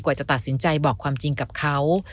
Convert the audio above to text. ดิฉันเป็นใจบอกความจริงกับเขา